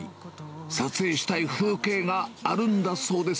撮影したい風景があるんだそうです。